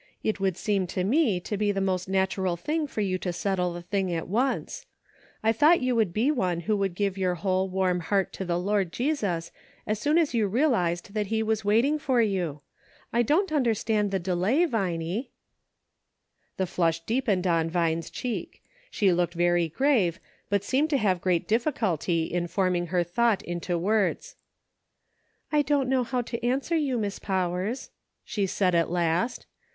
It would seem to me to be the most natural thing for you to settle the thing at once. I thought you would be one who would give your 84 "WILL YOU ?" whole warm heart to the Lord Jesus as soon as you realized that he was waiting for you. I don't understand the delay, Vinie." The flush deepened on Vine's cheek ; she looked very grave, but seemed to have great difficulty in forming her thought into words. " I don't know how to answer you, Miss Pow ers," she said at last.